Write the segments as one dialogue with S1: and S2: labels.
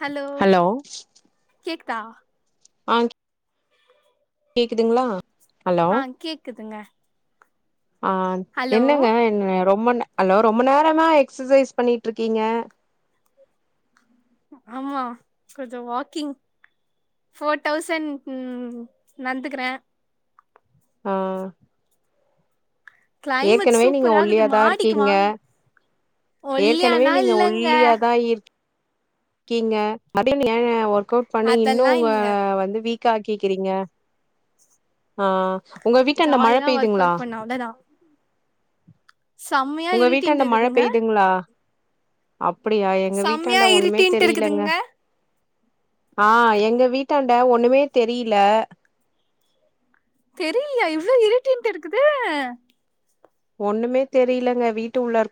S1: hello கேக் குத்தா
S2: ஆஹ் கேக்குதுங்களா ஹலோ
S1: ஆஹ் கேக்குதுங்க
S2: ஆஹ்
S1: ஹலோ
S2: என்னங்க என்ன ரொம்ப அலோ ரொம்ப நேரமா எக்ஸசைஸ் பண்ணிட்டுருக்கீங்க
S1: ஆமா கொஞ்சோ வாக்கிங் ஃபோர் தௌசண்ட் நந்துக்குற
S2: ஆஹ்
S1: கிளைமேட்
S2: ஏற்கனவே நீங்க
S1: சூப்பரா இருக்குது
S2: ஒல்லியாதா
S1: மாடிக்கு
S2: இருக்கீங்க
S1: வாங்
S2: ஏற்கனவே
S1: ஒல்லியானா
S2: நீங்க
S1: இல்லங்க
S2: ஒல்லியாதா இருக் க்கீங்க மறுபடியு ஏங்க வெர்க் கவுட் பண்ணி இன்னு
S1: அதெல்லா
S2: உங்க
S1: இல்ல
S2: வந்து வீக் காக்கிக்கிறீங்க ஆஹ்
S1: ஜாலியா ஒர்க் அவுட் பண்ண அவ்ளதா
S2: [inaudible] உங்க வீட்டாண்ட மழ
S1: இருக்குதுங்க
S2: பெயிதுங்களா அப் படியா எங்க
S1: செம்மையா
S2: வீட்டாண்ட ஒண்ணுமே
S1: இருட்டின்ட்டு இருக்குதுங்க
S2: ஆஹ் எங்க வீட்டாண்ட ஒண்ணுமே தெரியில
S1: தெரிலியா இவ்ளோ இருட்டின்ட்டு இருக்குது
S2: ஒண்ணுமே தெரியலங்க வீட்டு உள்ளார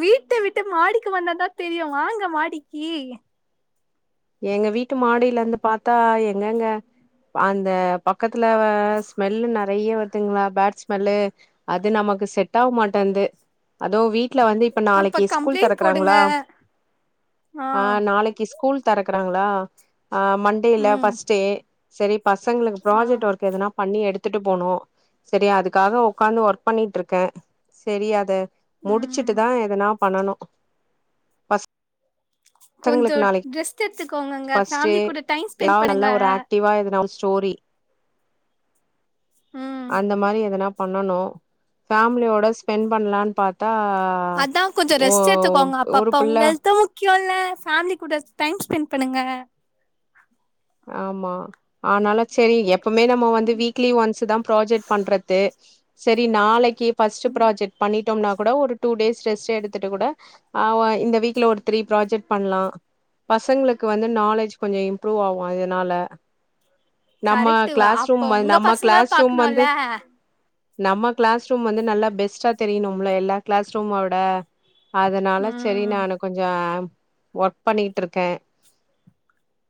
S1: வீட்ட விட்டு மாடிக்கு வந்தாதாத் தெரியு வாங்க மாடிக்கி
S2: எங்க வீட்டு மாடியிலருந்து பாத்தா எங்கங்க அந்த பக்கத்துல ஸ்மெல்லு நெறைய வருதுங்களா பேட் ஸ்மெல்லு அது நமக்கு செட்டாவுமாட்டன்து அதுவு வீட் டுல வந்து இப்ப
S1: அப்ப
S2: நாளைக்கு ஸ்கூல்
S1: கம்ப்ளைண்ட் போடுங்க
S2: தெறக்குறாங்களா
S1: ஆ
S2: ஆஹ் நாளைக்கு ஸ்கூல் தரக்குறாங்களா ஆஹ் மண்டே இல்ல
S1: ம்
S2: ஃபர்ஸ்ட்டே செரிப் பசங்களுக்கு
S1: ஆ
S2: ப்ராஜெக்ட் ஒர்க் எதனா பண்ணி எடுத் த்துட்டு போனோ‌ செரி அதுக்காக ஒக்காந்து ஒர்க் பண்ணிட்டுருக்கே செரி அத
S1: ம்
S2: முடிச்சிட்டுதா எதனா பண்ணணு பஸ்
S1: கொஞ்சோ ட்ரெஸ்ட் எத்துக்கோங்கங்க
S2: ஃபர்ஸ்ட் டே
S1: ஃபேமிலி கூட டைம் ஸ்பெண்ட் பண்ணுங்க
S2: சோரி
S1: ம்
S2: அந்த மாரி எதனா பண்ணனு ஃபேமிலி ஓட ஸ்பெண்ட் பண்லானு பாத்
S1: அதா கொஞ்ச ரெஸ்ட் எத்துக்கோங்க
S2: ஒரு
S1: அப்பப்ப
S2: புள்ள
S1: உங்க ஹெல்த்து முக் க்கியோல ஃபேமிலி கூட டைம் ஸ்பெண்ட் பண்ணுங்க
S2: ஆமா ஆனால சேரி எ எப்பமே நம்ம வந்து வீக்லி ஒன்ஸு தா ப்ராஜெட் பண்றது சரி நாளைக் கி ஃபஸ்ட்டு ப்ராஜெட் பண்ணிட் ட்டம்னா கூட ஒரு டூ டேஸ் ரெஸ்ட் எடுத்துட்டு கூட அ ஒ இந்த வீக்ல ஒரு த்ரீ ப்ராஜெட் பண்லா பசங்களுக்கு வந்து நாலெட்ஜ் கொஞ்ச இம்ப்ரூவ் ஆவு ஓ அதனால
S1: கரெக்ட்டு வ
S2: கிளாஸ் ரூம்
S1: அப்ப உங்க
S2: நம்ம
S1: பசங்கள
S2: கிளாஸ் ரூம் வந்து
S1: பாக்கணுல
S2: நம்ம கிளாஸ் ரூம் வந்து நல்லா பெஸ்ட்டா தெரியணும்ல எல்லா கிளாஸ் ரூமவிட அதனால சரி
S1: ம்
S2: நானு கொஞ்ச ஒர்க் பண்ணிகிட்ருக்கே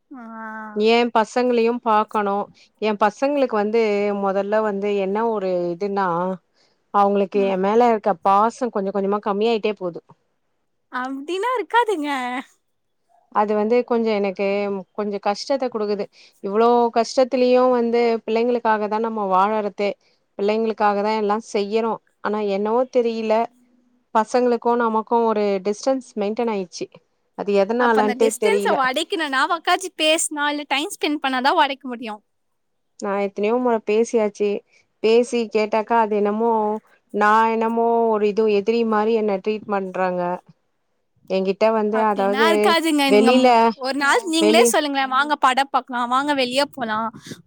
S1: ஆ
S2: பசங்களையு பாக்கணு எ பசங்களுக்கு வந்து மொதல்ல வந்து என்ன ஒரு இதுன்னா அவங்களுக்கு
S1: ம்
S2: எ மேலருக்க பாச கொஞ்ச கொஞ்சமா கம்மியாயிட்டே போது
S1: அப்டின்னா இருக்காதீங்க
S2: அது வந்து கொஞ்ச எனக்கு கொஞ்ச கஷ்டத்த குடுக்குது இவ்ளோ கஷ்டத்திலயு வந்து பிள்ளைங்களுக்காகதா நம்ம வாழறதே பிள்ளைங்களுக்காகதா எல்லா செய்யிறோ ஆனா என்னவோ தெரியில பசங்களுக்கு நமக்கு ஒரு டிஸ்டன்ஸ் மெயின்டெனாயிச்சு அது
S1: அப்ப அந்த
S2: எதனாலன்ட்டே
S1: டிஸ்டன்ஸ
S2: தெரியல
S1: ஒடைக்கணுனா ஒக்காஞ்சி பேஸ்னு இல்ல டைம் ஸ்பெண்ட் பண்ணாதா ஒடைக் முடியு
S2: நா எத்தனையோ மொற பேசியாச்சு பேசி கேட்டாக்கா அது என்னமோ நா என்னமோ ஒரு இது எதிரி மாரி என்ன ட்ரீட் பண்றாங்க என்கிட்ட வந்து அதாவது
S1: அப்டின்னாருக்காதுங்க நீங்க
S2: வெளில
S1: ஒர் ஒரு நாள் நீங்ளே
S2: வெளி
S1: சொல்லுங்ளே வாங்கப் பட பாக்லா வாங்க வெளிய போலா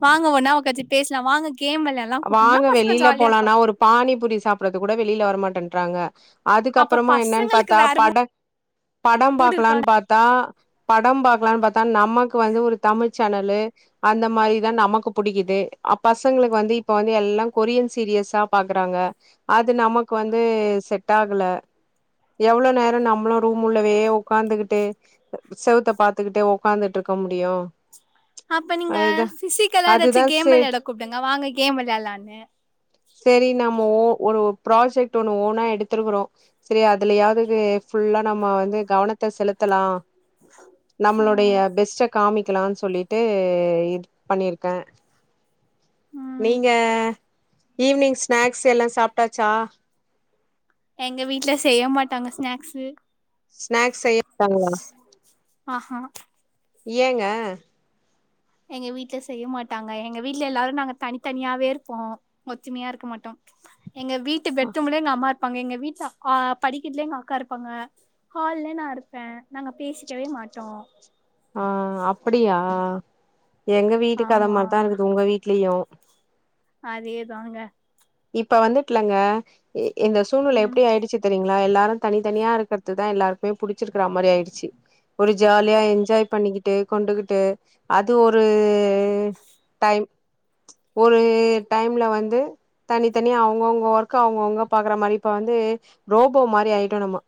S1: வாங்க ஒன்னா ஒக்காச்சி பேஸ்லா வாங்க கேம் வெளையாடலா கூப்ட்டீங்கன்னா
S2: வாங்க
S1: பசங்க
S2: வெளில
S1: ஜாலியா
S2: போலானா
S1: இருப்பாங்க
S2: ஒரு பானிபுரி சாப்றதுகூட வெளில வரமாட் றாங்க
S1: அப்ப
S2: அதுக்கப்பறமா என்னன்
S1: பசங்களுக்கு
S2: பாத்தா
S1: வேற
S2: பட படம்
S1: மூடு இருக்கா
S2: பாக்லானு பாத்தா படம் பா பாத்தா நமக்கு வந்து ஒரு தமிழ் சேனல்லு அந்த மாரிதா நமக்கு புடிக்குது அ பசங்களுக்கு வந்து இப்ப வந்து எல்லா கொரியன் சீரியஸா பாக்குறாங்க அது நமக்கு வந்து செட் ஆகல எவ்ளோ நேர நம்மளு ரூம் உள்ளவே உக்காந்துகிட்டு செவுத்த பாத்துக்கிட்டே உக்காந்துட்ருக்க முடியு
S1: அப்ப நீங்க
S2: அதுதா
S1: பிசிக்கலா
S2: அதுதா
S1: ஏதாச்சும் கேம்
S2: சே
S1: விளையாட கூப்டுங்க வாங்க கேம் விளையாட லானு
S2: சரி நம்ம ஓ ஒரு ப்ராஜெக்ட் ஒண்ணு ஓனா எடுத்திருக்கறோம் சரி அதுலயாவது ஃபுல்லா நம்ம வந்து கவனத்தை செலுத்தலாம்
S1: ம்
S2: நம்மளுடைய பெஸ்ட காமி க்கலாம்னு சொல்லிட்டு இது பண்ணிருக்கேன்
S1: ம்
S2: நீங்க ஈவி்னிங் ஸ்நாக்ஸ் எல்லாம் சாப்பிட்டாச்சா
S1: எங்க வீட்டுல செய்ய மாட்டாங்க ஸ்நாக்ஸு
S2: ஸ்நாக்ஸ் செய்யட்டாங்களா
S1: ஆஹா
S2: ஏங்க
S1: எங்க வீட்டுல செய்ய மாட்டாங்க எங்க வீட்டுல எல்லாரும் நாங்க தனித்தனியாவே இருப்போம் ஒற்றுமையா இருக்க மாட்டோம் எங்க வீட்டு பெட்ரூம்ல எங்க அம்மா இருப்பாங்க எங்க வீட்டுல படிக்கட்டுல எங்க அக்கா இருப்பாங்க ஹால்ல நான் இருப்பேன் நாங்க பேசிக்கவே மாட்டோம்
S2: ஆஹ் அப்படியா எங்க வீட்டு கதை
S1: ஆமா
S2: மாரிதான் இருக்குது உங்க வீட்லயும்
S1: அதேதாங்க
S2: இப்ப வந்துட்லங்க இந்த சூழ்நிலை
S1: ம்
S2: எப்டி ஆயிடுச்சு தெரிங் ளா எல்லாரும் தனித்தனியா இருக்கறதுதான் எல்லாருக்குமே புடிச்சிருக்கற மாரி ஆயிடுச்சு ஒரு ஜாலியா என்ஜாய் பண்ணிக்கிட்டு கொண்டுகிட்டு அது ஒரு டைம் ஒரு டைம்ல வந்து தனித்தனியா அவங்கவுங்க ஒர்க் அவங்கவுங்க பாக்குற மாரி இப்ப வந்து ரோபோ மாரி ஆயிட்டோம் நம்ம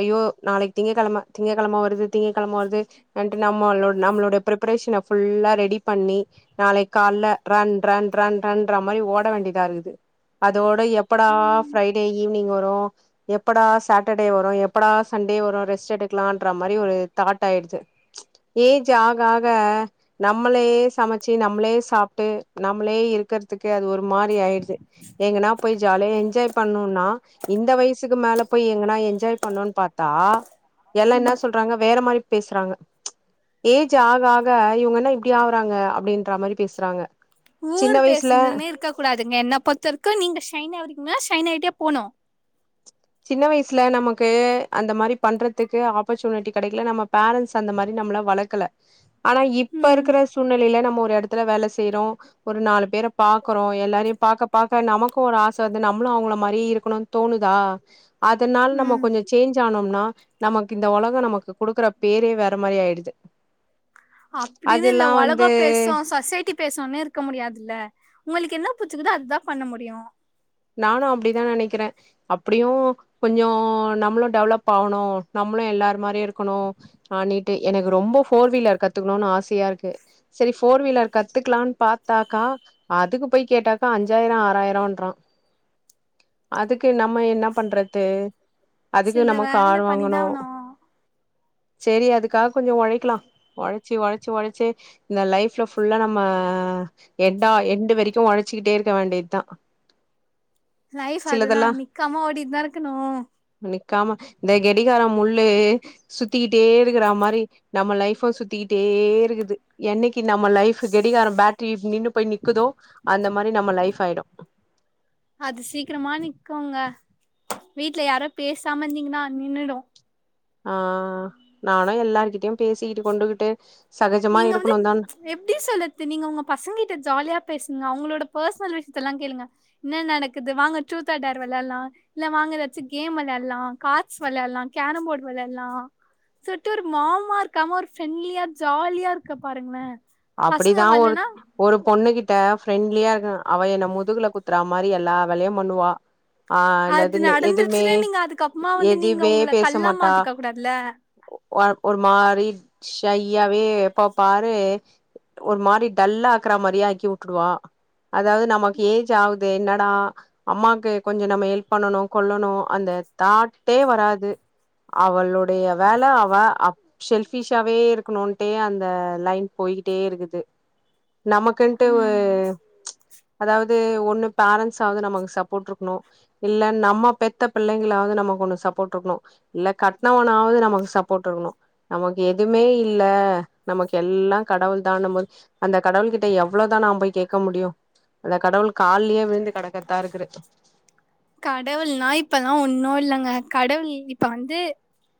S2: ஐயோ நாளைக்கு திங்ககிழமை திங்ககிழமை வருது திங்ககிழம வருறது [unintelligible] நம் ம் நம்மளுடைய ப்ரிபரேஷன ஃபுல்லா ரெடி பண்ணி நாளை கால ரன் ரன் ரன் ரன் மாரி ஓட வேண்டிய தாரு அதோட எப்படா ஃப்ரைடே ஈவினிங் வரும் எப்படா சாட்டர்டே வரும் எப்படா சண்டே வரும் ரெஸ்ட் எடுக்கலாம்ன்ற மாதிரி ஒரு தாட் ஆய்டுசு ஏஜ் ஆக ஆக நம்மளே சமைச்சு நம்மளே சாப்ட்டு நம்மளே இருக்கிறதுக்கு அது ஒரு மா திரி ஆயிடுது எங்கனா போய் ஜாலியா என்ஜாய் பண்ணும்னா இந்த வயசுக்கு மேல போய் எங்கனா என்ஜாய் பண்ணுன்னு பாத்தா எல்லாம் என்ன சொல்றாங்க வேற மாரி பேசுறாங்க ஏ ஜ் ஆக ஆக இவங்க என்ன இப்டி ஆகறாங்க அப்படின்ற மாரி பேசுறாங்க சின்ன வயசுல
S1: பத்தருக்கு நீங்க சைனாகுங்க சைனா ஆகிட்டே போனும்
S2: சின்ன வயசுல நமக்கு அந்த மாரி பண்றதுக்கு ஆப்பர்ச்சுனிட்டி கிடைக்கல நம்ம பேரண்ட்ஸ் அந்த மாதிரி நம்மளை வளக்கல ஆனா இப்ப
S1: ம்
S2: இருக்கிற சூழ்நிலையில நம்ம இடத்துல வேலை செய்யறோம் ஒரு நாலு பேரை பாக்கறோம் எல்லாரையும் பாக்க பாக்க நமக்கும் ஒரு ஆசை வந்து நம்மளும் அவங்கள மாரி இருக்கணும்னு தோணுதா அதனால நம்ம
S1: ம்
S2: கொஞ்சம் சேஞ்ச் ஆனும் நா நமக்கு இந்த உலக நமக்கு குடுக்குற பேரே வேற மாரி ஆயிடுது
S1: அப்டின்னு இந்த
S2: அதெல்லா
S1: உலகோ
S2: வந்து
S1: பேசும் சொசைட்டி பேசுனு இருக்க முடியாதுல்ல உங்களுக்கு என்ன புச்சுக்குதோ அதான் பண்ண முடியும்
S2: நானும் அப்டிதான் நினைக்கிறேன் அப்படியும் கொஞ்சம் நம்மளும் டெவலப் ஆவணும் நம்மளும் எல்லரு மாதிரி இரு க்கணும் ஆ நீ ட்டு எனக்கு ரொம்ப ஃபோர் வீலர் கத்துக்கணும்னு ஆசையா இருக்கு சரி ஃபோர் வீலர் கத்துக்கலான்னு பாத்தாக்கா அதுக்கு போய் கேட்டாக்கா அஞ்சாயிரம் ஆறாயிரம்ன்றான் அதுக்கு நம்ம என்ன பண்றது அதுக்கு
S1: சில
S2: நம்ம
S1: வேல
S2: கார்
S1: பண்ணிதா
S2: வாங்கணும்
S1: ஆவனு
S2: சரி அதுக்காக கொஞ்சம் உழைக்கலாம் உழைச்சு உழைச்சு இந்த லைஃப்ல புல்லா நம்ம எண்டா எண்டு வரைக்கும் உழைச்சுக்கிட்டே இருக்க வேண்டியது தான்
S1: லைஃப் அதுதா
S2: சிலதெல்லாம்
S1: நிக்காம ஓடிட்டுதா இருக்கணு
S2: நிக்காம இந்த கடிகாரம் முள் சுத்திக்கிட்டே இருக்கிற மாதிரி நம்ம லைப்ப சுத்திக்கிட்டே இருக்குது என்னைக்கு நம்ம லைஃப் கடிகாரம் பேட்டரி நின்னு போய் நிக்குதோ அந்த மாதிரி நம்ம லைஃப் ஆயிடும்
S1: அது சீக்கிரமா நிக்குகோங்க வீட்டுல யாரோ பேசாம இருந்தீங்கன்னா நின்னுடும்
S2: ஆஹ் நானும் எல்லார்கிட்டயும் பேசிகிட்டு கொண்டுகிட்டு சகஜமா
S1: நீங்க வந்து
S2: இருக்கணு தான்
S1: எப்படி சொல்லறது நீங்க உங்க பசங்க கிட்ட ஜாலியா பேச அவங்களோட பெர்சனல் விஷயத்தல்லாம் கேளுங்க என்ன நடக்குது வாங்க ட்ரூத் ஆர் டேர் விளையாடலாம் வங்க வச்சு கேம் விளையாடலாம் கார்ட்ஸ் விளையாடலாம் கேரம்போர்டு விளையாடலாம் ஜஸ்ட் ஒரு மாமா இருக்காம ஒரு பிரண்ட்லியா ஜாலியா இருக்க பாருங்களேன்
S2: அப்படிதான் ஒரு ஒரு பொண்ணு கிட்ட ஃப்ரெண்ட்லியா இரு அவன் என்ன முதுகுல குத்துறா மாதிரி எல்லாம் வேலையும் பண்ணுவா ஆ
S1: அது
S2: என்னது எதுமே
S1: நடந்துருச்சுட்டே நீங்க அதுக்கப்புமா வந்து நீங்க
S2: எதுவே
S1: உங்களை கல்லா மாத்திக்க கூடாதுல
S2: ஒரு ஒரு மாறி ஷையாவே எப்பபாரு ஒரு மாதிரி டல்லா ஆக்குற மாதிரியே ஆக்கி விட்டுவா அதாவது நமக்கு ஏஜ் ஆகுது என்னடா அம்மாக்கு கொஞ்சம் நம்ம ஹெல்ப் பண்ணணும் கொல்லணும் அந்த தாட்டே வராது அவளுடைய வேலை அவ செல்பிஷாவே இருக்கணுணே அந்த லைன் போயிட்- டே இருக்குது நமக்குன்ட்டு
S1: ம்
S2: அதாவது ஒண்ணு பேரண்ட்ஸ் ஆவது நமக்கு சப்போர்ட் இருக்கணும் இல்ல நம்ம பெத்த பிள்ளைங்களாவது நமக்கு ஒண்ணு சப்போர்ட் இருக்கணும் இல்ல கட்னவனாவது நமக்கு சப்போர்ட் இருக்கணும் நமக்கு எதுவுமே இல்ல நமக்கு எல்லாம் கடவுள் தான் நம்ம அந்த கடவுள் கிட்ட எவ்வளவுதான் நாம் போய் கேட்க முடியும் அந்த கடவுள் கால்லயே விழுந்து கிடக்கத்தான் இருக்கு
S1: கடவுள்னா இப்பதான் ஒன்னும் இல்லைங்க கடவுள் இப்ப வந்து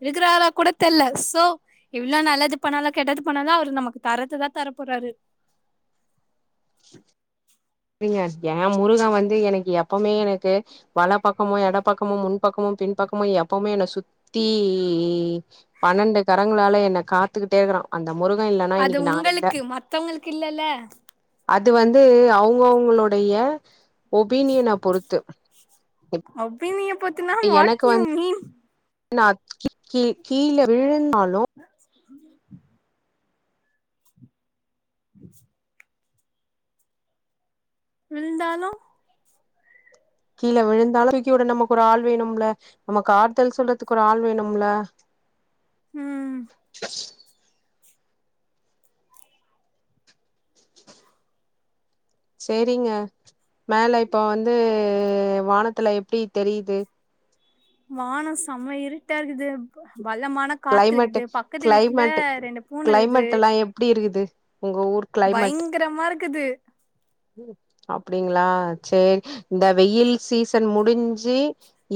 S1: இருக்கிறாறா கூட தெரியல சோ எவ்வளவு நல்லது பண்ணாலும் கெட்டது பண்ணாலோ அவரு நமக்கு தரதுதான் தர போறாரு
S2: [inaudible] சரிங்க ஏ முருகன் வந்து எனக்கு எப்பவுமே எனக்கு வல பக்கமோ இட பக்கமோ முன் பக்கமோ பின்பக்கமோ எப்பவுமே என்னை சுத்தி பன்னெண்டு கரங்களால என்னை காத்துக்கிட்டே இருக்கிறான்
S1: அது உங்களுக்கு மத்தவங்களுக்கு இல்லல்ல
S2: அது வந்து அவங்க அவங்கவுங்களுடைய ஒபீனியன பொறுத்து
S1: ஒபினிய பொருத்துனா வாட் யூ மீன்
S2: ந கீழே விழுந்து தாலும்
S1: [inaudible] [inaudible] விழுந்தாலும்
S2: கீழே விழுந்தாலும் தூக்கியுட நமக்கு ஒரு ஆள் வேணும்ல நமக்கு ஆறுதல் சொல்றதுக்கு ஒரு ஆள் வேணும்ல
S1: ம்
S2: செரிங்க மேல இப்ப வந்து வானத்துல எப்டி தெரிது
S1: வான செம இருட்டா இர்க்குது பலமான காத்து
S2: கிளைமேட்டு
S1: இருக்குது பக்கத்து வீட்ல
S2: கிளைமேட்டு
S1: ரெண்டு பூன இருக்குது
S2: கிளைமேட் எல்லா எப்டி இருக்குது உங்க ஊர்
S1: பயங்ரமா இருக்குது
S2: அப்படிங்ளா சேரி இந்த வெயில் சீசன் முடிஞ்சு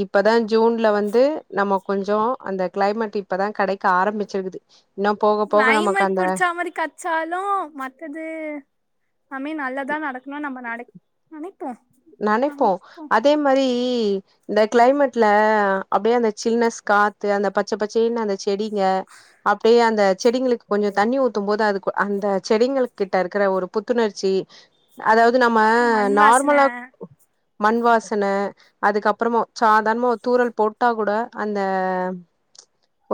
S2: இப்பதா ஜூன்ல வந்து நம்ம கொஞ்ச அந்த கிளைமேட் இப் பதா கெடைக்க ஆரம்பிச்சிருக்குது இன்னு போக போக நமக்கு
S1: கிளைமேட்
S2: அந்த
S1: புடிச்ச மாரி கெச்சாலு மத்தது எல்லாமே நல்லதா நடக்கணுன் நம்ம நெ னை
S2: நெனைப்போ அதே மாரி இந்த கிளைமேட்ல அப்டியே அந்த சில்னஸ் காத்து அந்த பச்ச பச்சயேன்னு அந்த செடிங்க அப்டியே அந்த செடிங்களுக்கு கொஞ்ச தண்ணி ஊத்தும் போது அதுக்கு அந்த செடிங்கள் கிட்ட இருக்கற ஒரு புத்துணர்ச்சி அதா வ்து நம்ம
S1: மண்
S2: நார்மலா
S1: வாசன
S2: மண் வாசன அதுக்குப்பறம சாதாரணமா ஒரு தூறல் போட்டா கூட அந்த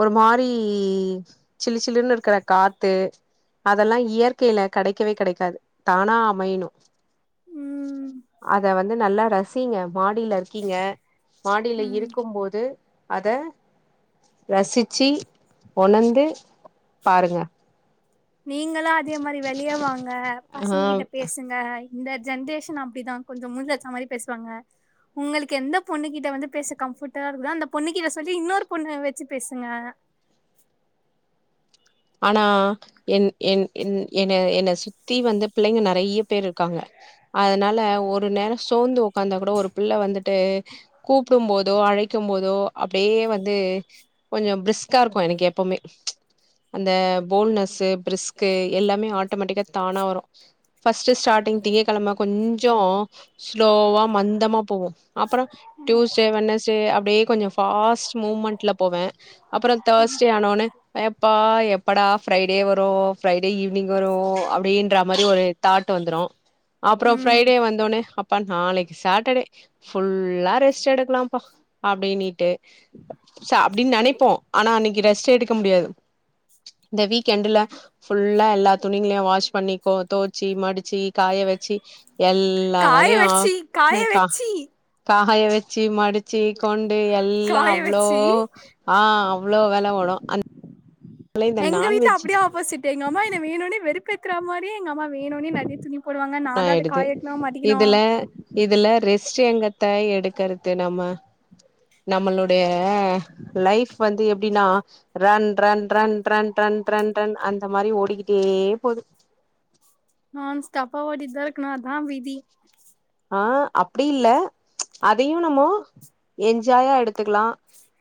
S2: ஒரு மாரி சில்லு சில்லுன்னு இருக்கிற காத்து அதெல்லா இயற்கையில கெடைக்கவே கெடைக்காது தானா அமையனு
S1: ம்
S2: அத வந்து நல்லா ரசிங்க மாடில இருக்கிங்க மாடியில
S1: ம்
S2: இருக்கும் போது அத ரசிச்சி ஒணந்து பாருங்க
S1: நீங்களு அதே மாரி வெளிய வாங்க
S2: ஆ
S1: பசங்க கிட்ட பேசுங்க இந்த ஜென்ரேஷன் அப்டிதா கொஞ்ச முஞ்சில அடிச்ச மாரி பேசுவாங்க உங்களுக்கு எந்த பொண்ணு கிட்ட வந்து பேச கம்ஃபார்ட்ட இருக்குதோ அந்த பொண்ணு கிட்ட சொல்லி இன்னொரு பொண்ணு வெச்சி பேசுங்க
S2: ஆனா என் என் என் என்ன என்ன சுத்தி வந்து பிள்ளைங்க நெறைய பேர் இருக்காங்க அதனால ஒரு நேர சோந்து உக்காந்தா கூட ஒரு புள்ள வந்து ட்டு கூப்டும் போதோ அழைக்கும் போதோ அப்டியே வந்து கொஞ்ச பிரிஸ்க்கா இருக்கு எனக்கு எப்பமே அந்த போல்ட்னஸ் பிரிஸ்க்கு எல்லாமே ஆட்டமெட்டிக்கா தானா வரு ஃபஸ்ட்டு ஸ்டாட்டிங் திங்ககெழம கொஞ்சொ ஸ்லோவா மந்தமா போகு அப்பற டியூஸ்டே வெனஸ்டே அப் அப்டியே கொஞ்ச ஃபாஸ்ட் மூவ்மெண்ட்ல போவ அப்பற தேர்ஸ்டே ஆனவுனே ஏப்பா எப்படா ஃப்ரைடே வரு ஃப்ரைடே ஈவினிங் வரு அப்டின்ற மாரி ஒரு தாட் வந்துரு அப்பற
S1: ம்
S2: ஃப்ரைடே வந்தோனே அப்பா நாளைக்கு சாட்டர்டே ஃபுல்லா ரெஸ்ட் எடுக்கலாம்ப்பா அப்டின்னிட்டு அப்டின்னு நெனைப்போ ஆனா அன்னைக்கு ரெஸ்ட் எடுக்க முடியாது இந்த வீக்கெண்டுல ஃபுல்லா எல்லா துணிங்களையு வாஷ் பண்ணிக்கோ தோச்சி மடிச்சு காய வெச்சி எல்லா
S1: காய வச்சி காய
S2: வேலையு கா கா
S1: வச்சி
S2: காய வச்சி மடிச்சி கொண்டு எல்லாம்
S1: காய
S2: அவ்ளோ
S1: வச்சி
S2: ஆ அவளோ வேலை ஒடும்
S1: எங்க வீட்டுல அப்படியே ஆப்போசிட் எங்க அம்மா என்ன வேணுன்னு வெறுப்பேத்துற மாதிரி எங்க அம்மா வேணுன்னு நிறைய
S2: ஆயிடுது இதுல இதுல ரேஸ் சிங்கத்தை எடுக்கறது நம்ம நம்மளுடைய லைஃப் வந்து எப்படின்னா run run run run run run அந்த மாதிரி ஓடிக்கிட்டே போகுது
S1: நான்ஸ்டாப்பா ஓடிட்டுதா இருக்கணு அதா விதி
S2: ஆ அப்படி இல்ல அதையும் நம்ம என்ஜாயா எடுத்துக்கலா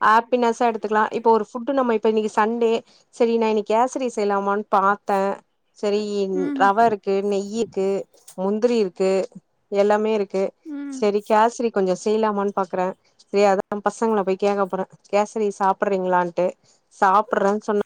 S2: ஹாப்பினஸா எடுத்துக்கலா இப்ப ஒரு ஃபுட்டு் நம்ம இப்ப இன்னைக்கு சண்டே சரி நான் இன்னைக்கு கேசரி செய்யலாமான்னு பாத்தே செரி
S1: ம்
S2: ரவை இருக்கு நெய் இருக்கு முந்திரி இருக் க்கு எல்லாமே இருக் க்கு
S1: ம்
S2: செரி கேசரி கொஞ்சோ செய்யலாமான்னு பாக்றே செரி அத பசங்கள போய் கேக்க போறேன் கேசரி சாப்பிடறீங்களான்ட்டு சாப்பிடறே சொன்ன